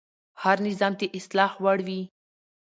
هر نظام د اصلاح وړ وي